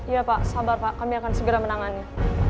iya pak sabar pak kami akan segera menangani